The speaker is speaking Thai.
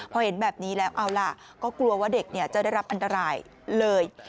พอเห็นแบบนี้แล้วเอาล่ะก็กลัวว่าเด็กจะได้รับอันตรายเลย